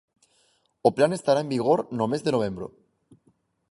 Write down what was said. O plan estará en vigor no mes de novembro.